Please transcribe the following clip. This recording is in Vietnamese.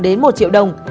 đến một triệu đồng